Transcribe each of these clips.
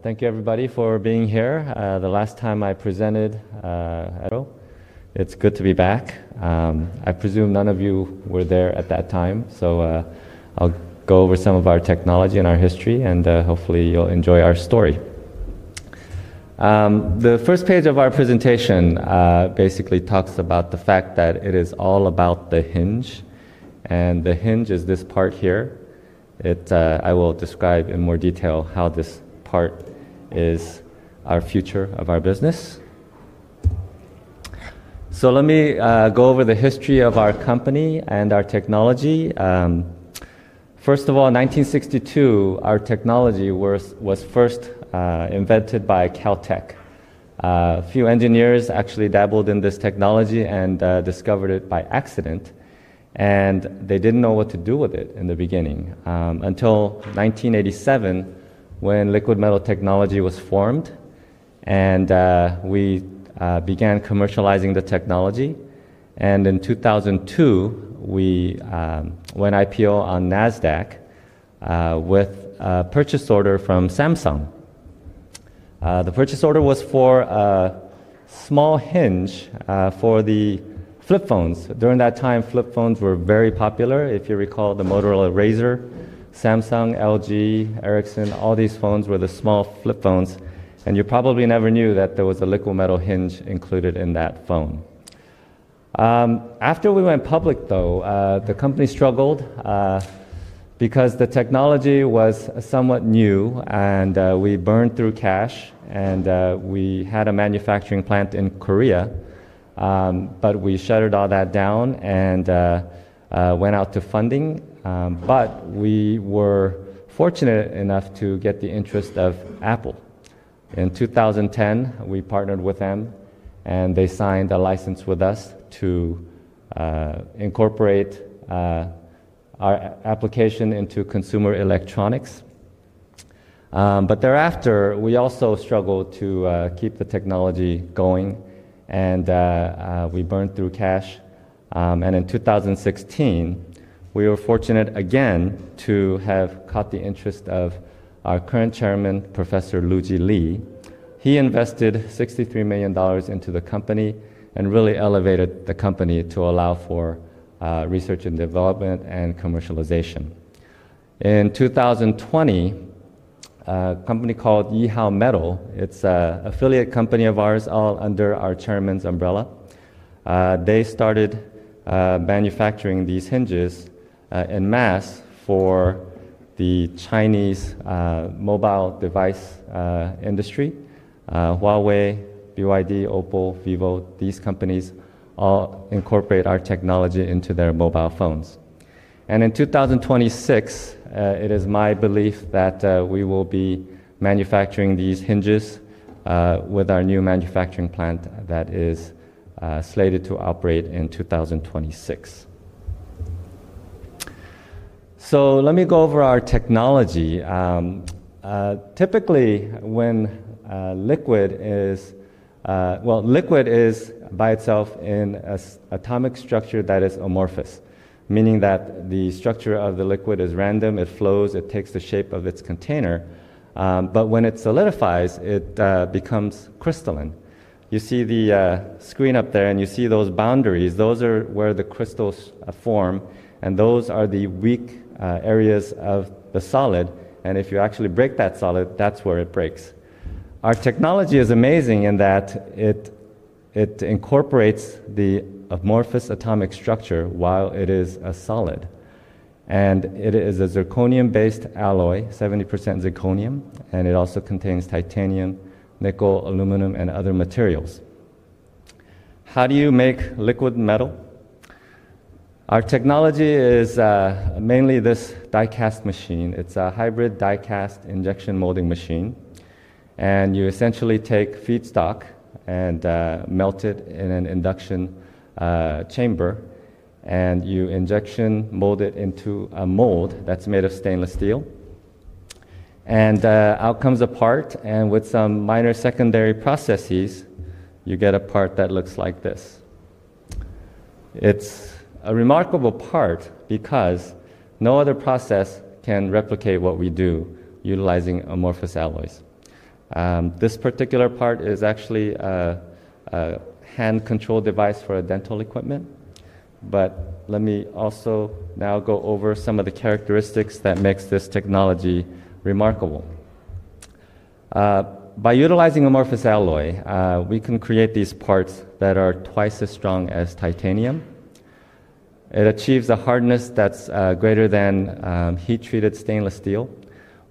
Thank you, everybody, for being here. The last time I presented at all. It's good to be back. I presume none of you were there at that time. I'll go over some of our technology and our history, and hopefully you'll enjoy our story. The first page of our presentation basically talks about the fact that it is all about the hinge, and the hinge is this part here. I will describe in more detail how this part is our future of our business. Let me go over the history of our company and our technology. First of all, in 1962, our technology was first invented by Caltech. A few engineers actually dabbled in this technology and discovered it by accident, and they didn't know what to do with it in the beginning until 1987 when Liquidmetal Technologies was formed, and we began commercializing the technology. In 2002, we went IPO on NASDAQ with a purchase order from Samsung. The purchase order was for a small hinge for the flip phones. During that time, flip phones were very popular. If you recall the Motorola Razr, Samsung, LG, Ericsson, all these phones were the small flip phones, and you probably never knew that there was a liquid metal hinge included in that phone. After we went public, the company struggled because the technology was somewhat new, and we burned through cash, and we had a manufacturing plant in Korea, but we shuttered all that down and went out to funding. We were fortunate enough to get the interest of Apple. In 2010, we partnered with them, and they signed a license with us to incorporate our application into consumer electronics. Thereafter, we also struggled to keep the technology going, and we burned through cash. In 2016, we were fortunate again to have caught the interest of our current Chairman, Professor Lugee Li. He invested $63 million into the company and really elevated the company to allow for research and development and commercialization. In 2020, a company called Yihao Metal, it's an affiliate company of ours all under our Chairman's umbrella, started manufacturing these hinges en masse for the Chinese mobile device industry. Huawei, BYD, Oppo, Vivo, these companies all incorporate our technology into their mobile phones. In 2026, it is my belief that we will be manufacturing these hinges with our new manufacturing plant that is slated to operate in 2026. Let me go over our technology. Typically, when liquid is, well, liquid is by itself in an atomic structure that is amorphous, meaning that the structure of the liquid is random. It flows. It takes the shape of its container. When it solidifies, it becomes crystalline. You see the screen up there, and you see those boundaries. Those are where the crystals form, and those are the weak areas of the solid. If you actually break that solid, that's where it breaks. Our technology is amazing in that it incorporates the amorphous atomic structure while it is a solid, and it is a zirconium-based alloy, 70% zirconium, and it also contains titanium, nickel, aluminum, and other materials. How do you make liquid metal? Our technology is mainly this die-cast machine. It's a hybrid die-cast injection molding machine, and you essentially take feedstock and melt it in an induction chamber, and you injection mold it into a mold that's made of stainless steel. Out comes a part, and with some minor secondary processes, you get a part that looks like this. It's a remarkable part because no other process can replicate what we do utilizing amorphous alloys. This particular part is actually a hand-controlled device for dental equipment. Let me also now go over some of the characteristics that make this technology remarkable. By utilizing amorphous alloy, we can create these parts that are twice as strong as titanium. It achieves a hardness that's greater than heat-treated stainless steel.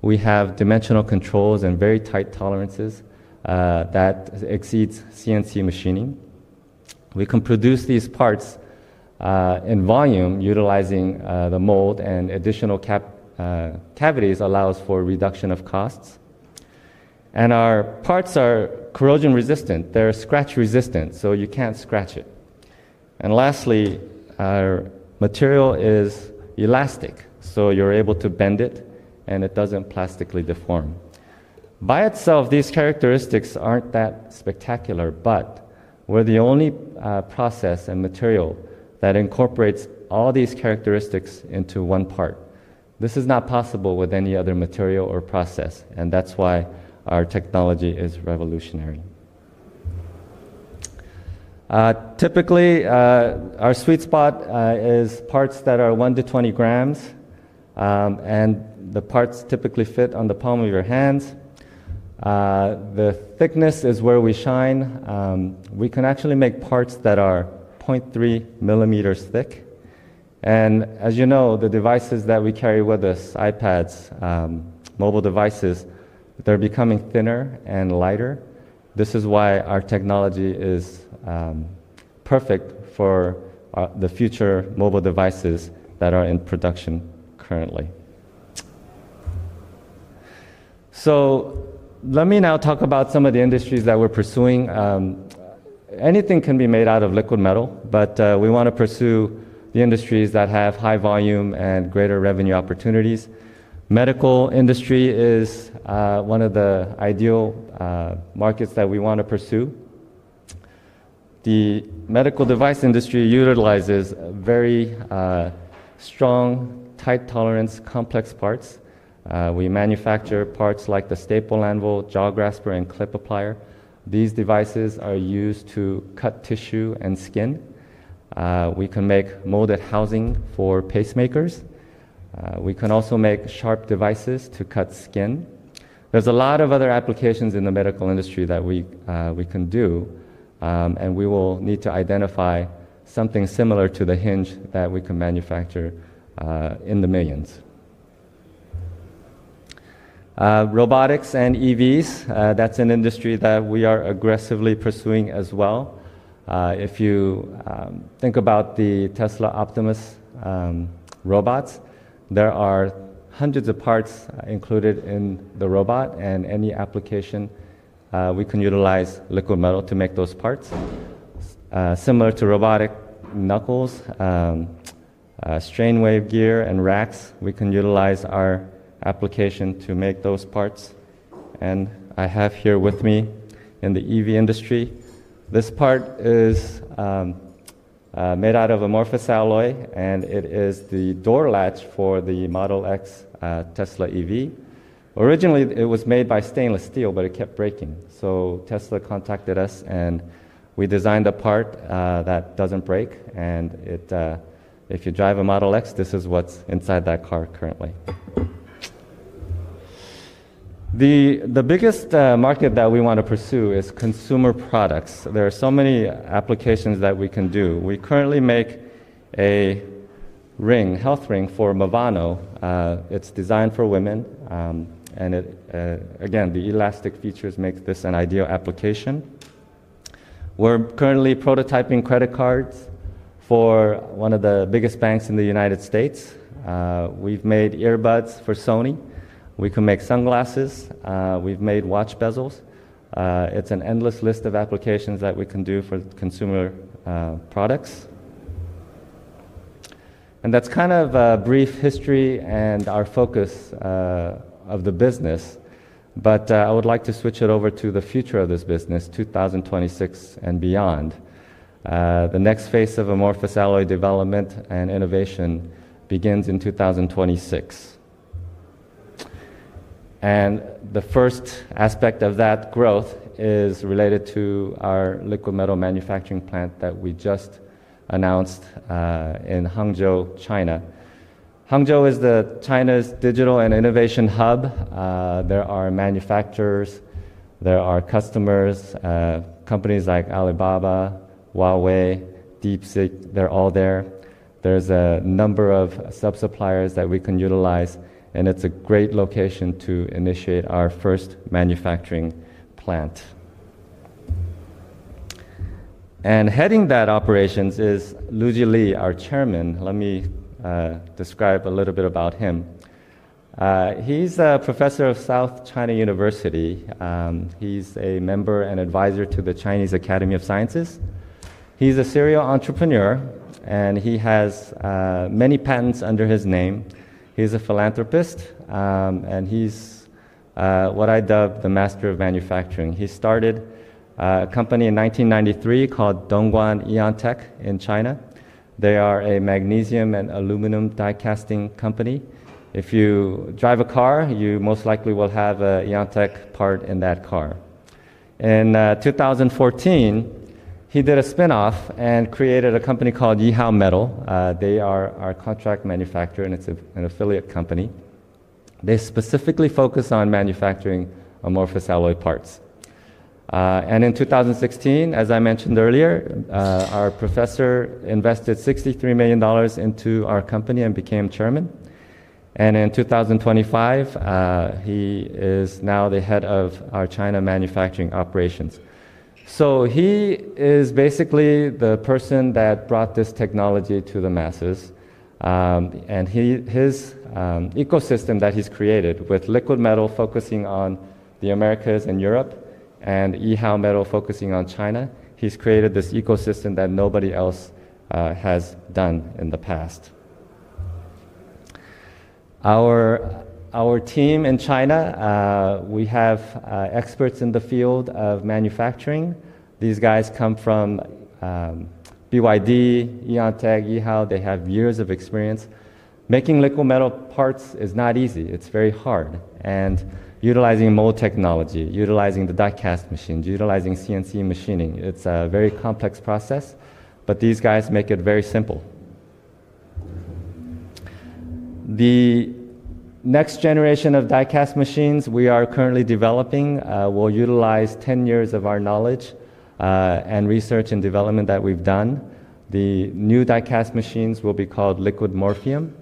We have dimensional controls and very tight tolerances that exceed CNC machining. We can produce these parts in volume utilizing the mold, and additional cavities allow us for reduction of costs. Our parts are corrosion-resistant. They're scratch-resistant, so you can't scratch it. Lastly, our material is elastic, so you're able to bend it, and it doesn't plastically deform. By itself, these characteristics aren't that spectacular, but we're the only process and material that incorporates all these characteristics into one part. This is not possible with any other material or process, and that's why our technology is revolutionary. Typically, our sweet spot is parts that are 1 g-20 g, and the parts typically fit on the palm of your hands. The thickness is where we shine. We can actually make parts that are 0.3 mm thick. As you know, the devices that we carry with us, iPads, mobile devices, they're becoming thinner and lighter. This is why our technology is perfect for the future mobile devices that are in production currently. Let me now talk about some of the industries that we're pursuing. Anything can be made out of liquid metal, but we want to pursue the industries that have high volume and greater revenue opportunities. The medical industry is one of the ideal markets that we want to pursue. The medical device industry utilizes very strong, tight tolerance, complex parts. We manufacture parts like the staple anvil, jaw grasper, and clip applier. These devices are used to cut tissue and skin. We can make molded housing for pacemakers. We can also make sharp devices to cut skin. There are a lot of other applications in the medical industry that we can do, and we will need to identify something similar to the hinge that we can manufacture in the millions. Robotics and EVs, that's an industry that we are aggressively pursuing as well. If you think about the Tesla Optimus robots, there are hundreds of parts included in the robot, and any application we can utilize liquid metal to make those parts. Similar to robotic knuckles, strain wave gear, and racks, we can utilize our application to make those parts. I have here with me in the EV industry. This part is made out of amorphous alloy, and it is the door latch for the Model X Tesla EV. Originally, it was made by stainless steel, but it kept breaking. Tesla contacted us, and we designed a part that doesn't break. If you drive a Model X, this is what's inside that car currently. The biggest market that we want to pursue is consumer products. There are so many applications that we can do. We currently make a ring, a health ring for Movano. It's designed for women, and again, the elastic features make this an ideal application. We're currently prototyping credit cards for one of the biggest banks in the United States. We've made earbuds for Sony. We can make sunglasses. We've made watch bezels. It's an endless list of applications that we can do for consumer products. That's kind of a brief history and our focus of the business. I would like to switch it over to the future of this business, 2026 and beyond. The next phase of amorphous alloy development and innovation begins in 2026. The first aspect of that growth is related to our liquid metal manufacturing plant that we just announced in Hangzhou, China. Hangzhou is China's digital and innovation hub. There are manufacturers. There are customers. Companies like Alibaba, Huawei, DeepSeek, they're all there. There's a number of sub-suppliers that we can utilize, and it's a great location to initiate our first manufacturing plant. Heading that operation is Lugee Li, our Chairman. Let me describe a little bit about him. He's a Professor at South China University. He's a member and advisor to the Chinese Academy of Sciences. He's a serial entrepreneur, and he has many patents under his name. He's a philanthropist, and he's what I dub the master of manufacturing. He started a company in 1993 called Dongguan Yantech in China. They are a magnesium and aluminum die-casting company. If you drive a car, you most likely will have a Yantech part in that car. In 2014, he did a spin-off and created a company called Yihao Metal. They are our contract manufacturer, and it's an affiliate company. They specifically focus on manufacturing amorphous alloy parts. In 2016, as I mentioned earlier, our Professor invested $63 million into our company and became Chairman. In 2025, he is now the head of our China manufacturing operations. He is basically the person that brought this technology to the masses, and his ecosystem that he's created with Liquidmetal Technologies focusing on the Americas and Europe and Yihao Metal focusing on China, he's created this ecosystem that nobody else has done in the past. Our team in China, we have experts in the field of manufacturing. These guys come from BYD, Yantech, Yihao. They have years of experience. Making liquid metal parts is not easy. It's very hard. Utilizing mold technology, utilizing the die-cast machines, utilizing CNC machining, it's a very complex process, but these guys make it very simple. The next generation of die-cast machines we are currently developing will utilize 10 years of our knowledge and research and development that we've done. The new die-cast machines will be called Liquid Morphium.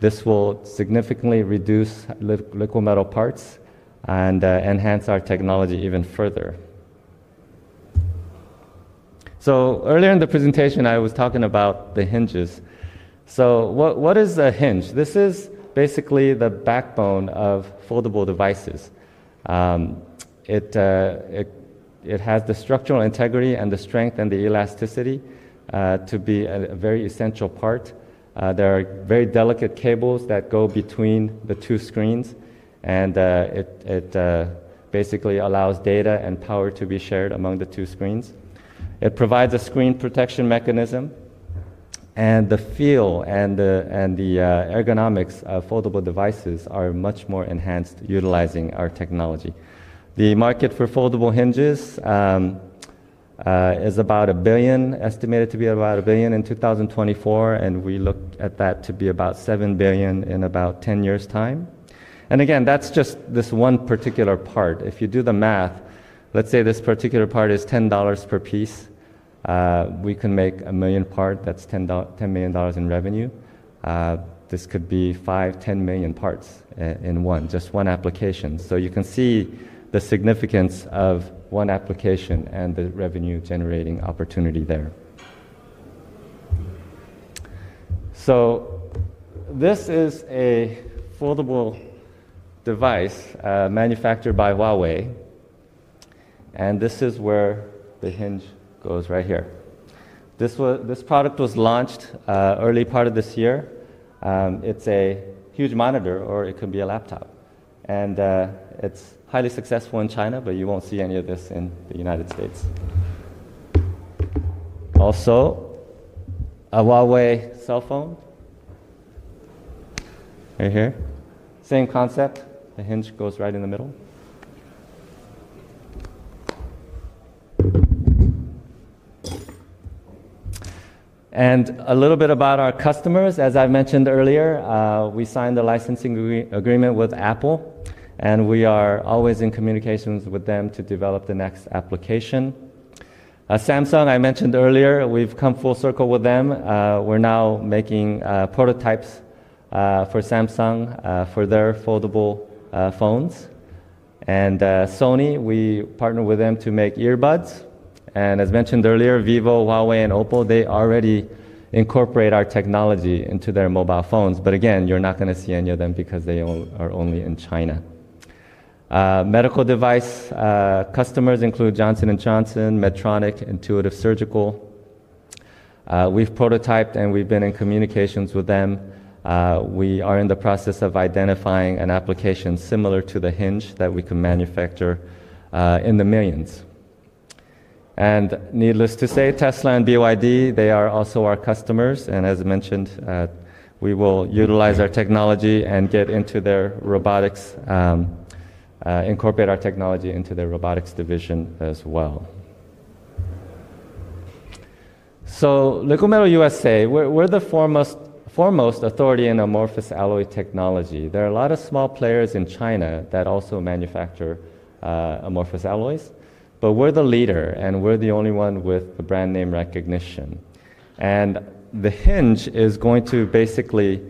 This will significantly reduce liquid metal parts and enhance our technology even further. Earlier in the presentation, I was talking about the hinges. What is a hinge? This is basically the backbone of foldable devices. It has the structural integrity and the strength and the elasticity to be a very essential part. There are very delicate cables that go between the two screens, and it basically allows data and power to be shared among the two screens. It provides a screen protection mechanism. The feel and the ergonomics of foldable devices are much more enhanced utilizing our technology. The market for foldable hinges is estimated to be about $1 billion in 2024, and we look at that to be about $7 billion in about 10 years' time. That is just this one particular part. If you do the math, let's say this particular part is $10 per piece. We can make a million parts. That's $10 million in revenue. This could be 5 million, 10 million parts in just one application. You can see the significance of one application and the revenue-generating opportunity there. This is a foldable device manufactured by Huawei, and this is where the hinge goes right here. This product was launched early part of this year. It's a huge monitor, or it can be a laptop. It's highly successful in China, but you won't see any of this in the United States. Also, a Huawei cell phone right here. Same concept. The hinge goes right in the middle. A little bit about our customers. As I mentioned earlier, we signed a licensing agreement with Apple, and we are always in communications with them to develop the next application. Samsung, I mentioned earlier, we've come full circle with them. We're now making prototypes for Samsung for their foldable phones. Sony, we partnered with them to make earbuds. As mentioned earlier, Vivo, Huawei, and Oppo already incorporate our technology into their mobile phones. You're not going to see any of them because they are only in China. Medical device customers include Johnson & Johnson, Medtronic, and Intuitive Surgical. We've prototyped, and we've been in communications with them. We are in the process of identifying an application similar to the hinge that we can manufacture in the millions. Needless to say, Tesla and BYD are also our customers. As mentioned, we will utilize our technology and get into their robotics, incorporate our technology into their robotics division as well. Liquidmetal USA, we're the foremost authority in amorphous alloy technology. There are a lot of small players in China that also manufacture amorphous alloys, but we're the leader, and we're the only one with the brand name recognition. The hinge is going to basically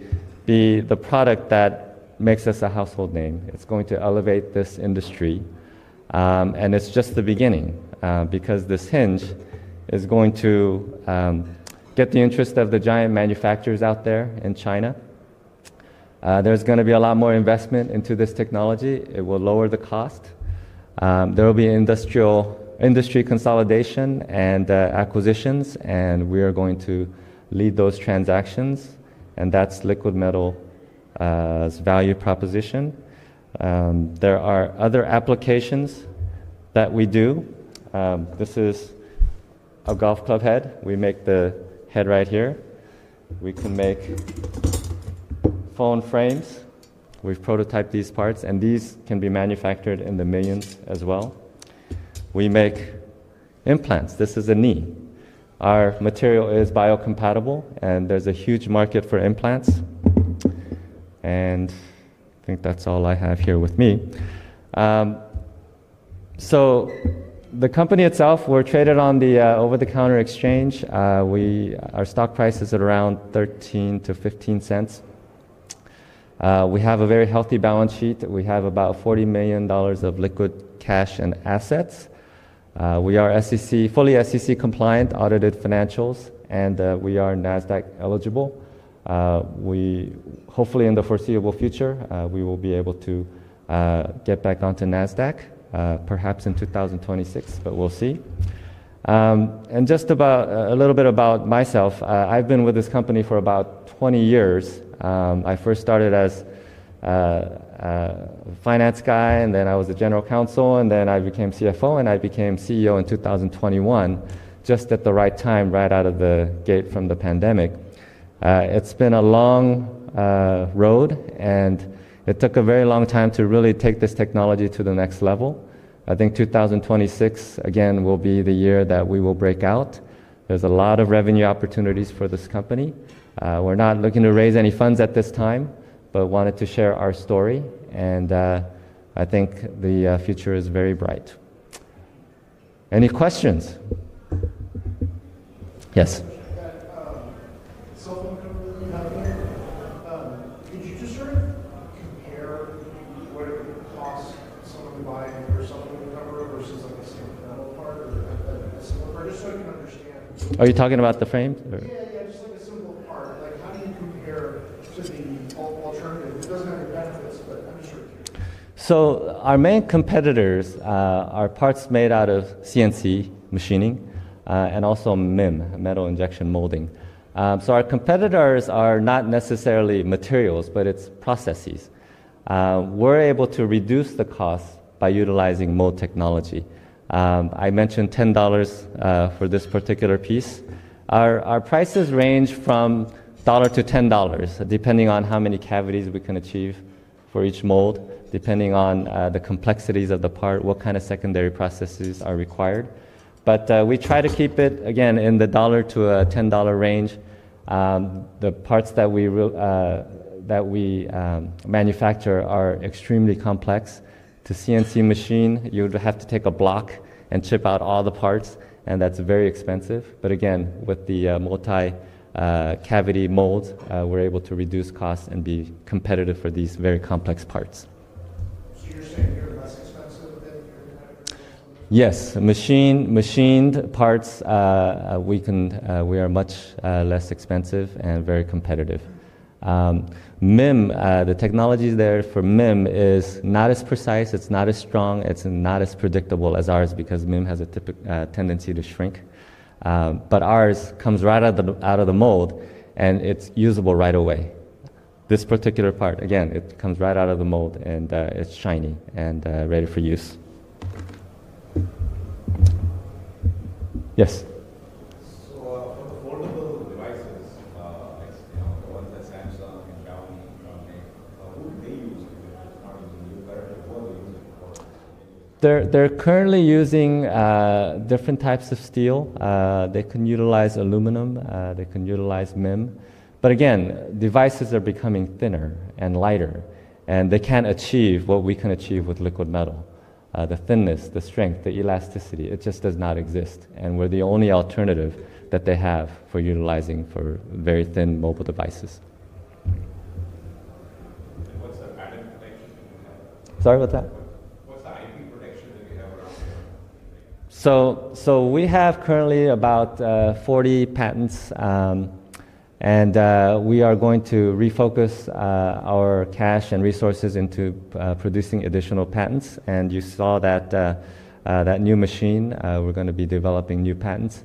be the product that makes us a household name. It's going to elevate this industry, and it's just the beginning because this hinge is going to get the interest of the giant manufacturers out there in China. There's going to be a lot more investment into this technology. It will lower the cost. There will be industry consolidation and acquisitions, and we are going to lead those transactions, and that's Liquidmetal's value proposition. There are other applications that we do. This is a golf club head. We make the head right here. We can make phone frames. We've prototyped these parts, and these can be manufactured in the millions as well. We make implants. This is a knee. Our material is biocompatible, and there's a huge market for implants. I think that's all I have here with me. The company itself, we're traded on the over-the-counter exchange. Our stock price is at around $0.13-$0.15. We have a very healthy balance sheet. We have about $40 million of liquid cash and assets. We are fully SEC-compliant, audited financials, and we are NASDAQ eligible. Hopefully, in the foreseeable future, we will be able to get back onto NASDAQ, perhaps in 2026, but we'll see. Just a little bit about myself. I've been with this company for about 20 years. I first started as a finance guy, then I was General Counsel, then I became CFO, and I became CEO in 2021, just at the right time, right out of the gate from the pandemic. It's been a long road, and it took a very long time to really take this technology to the next level. I think 2026, again, will be the year that we will break out. There's a lot of revenue opportunities for this company. We're not looking to raise any funds at this time, but wanted to share our story, and I think the future is very bright. Any questions? Yes. Could you just sort of compare what it would cost someone to buy a personal hearing cover versus like a single-metal part or a simple part, just so I can understand? Are you talking about the frame? Yeah, just like a simple part. How do you compare to the alternative? It doesn't have any benefits, but I'm just trying to. Our main competitors are parts made out of CNC machining and also MIM, metal injection molding. Our competitors are not necessarily materials, but it's processes. We're able to reduce the cost by utilizing mold technology. I mentioned $10 for this particular piece. Our prices range from $1-$10, depending on how many cavities we can achieve for each mold, depending on the complexities of the part, what kind of secondary processes are required. We try to keep it, again, in the $1-$10 range. The parts that we manufacture are extremely complex. To CNC machine, you'd have to take a block and chip out all the parts, and that's very expensive. With the multi-cavity mold, we're able to reduce costs and be competitive for these very complex parts. You're saying you're less expensive than your competitors? Yes. Machined parts, we are much less expensive and very competitive. MIM, the technology there for MIM is not as precise, it's not as strong, it's not as predictable as ours because MIM has a tendency to shrink. Ours comes right out of the mold, and it's usable right away. This particular part, again, it comes right out of the mold, and it's shiny and ready for use. Yes. For the foldable devices, like the ones that Samsung and Xiaomi make, who do they use? Are they just not using nickel or are they using the forms? They're currently using different types of steel. They can utilize aluminum. They can utilize MIM. Devices are becoming thinner and lighter, and they can't achieve what we can achieve with Liquidmetal. The thinness, the strength, the elasticity, it just does not exist. We're the only alternative that they have for utilizing for very thin mobile devices. What is the patent protection that you have? Sorry, what's that? What's the IP protection that you have around the company? We have currently about 40 patents, and we are going to refocus our cash and resources into producing additional patents. You saw that new machine. We're going to be developing new patents.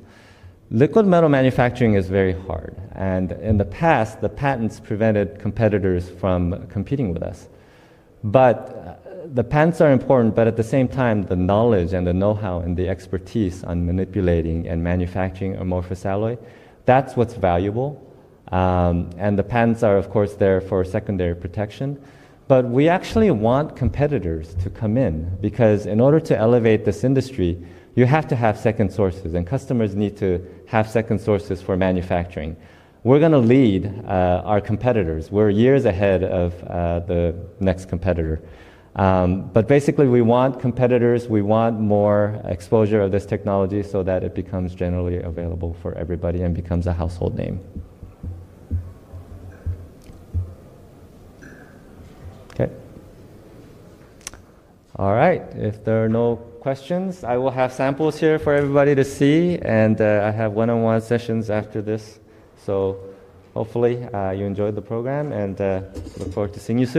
Liquidmetal manufacturing is very hard. In the past, the patents prevented competitors from competing with us. The patents are important, but at the same time, the knowledge and the know-how and the expertise on manipulating and manufacturing amorphous alloy, that's what's valuable. The patents are, of course, there for secondary protection. We actually want competitors to come in because in order to elevate this industry, you have to have second sources, and customers need to have second sources for manufacturing. We're going to lead our competitors. We're years ahead of the next competitor. Basically, we want competitors. We want more exposure of this technology so that it becomes generally available for everybody and becomes a household name. If there are no questions, I will have samples here for everybody to see, and I have one-on-one sessions after this. Hopefully, you enjoyed the program and look forward to seeing you.